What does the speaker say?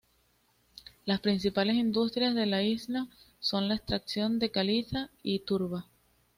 Las principales industrias de la isla son la extracción de caliza y turba.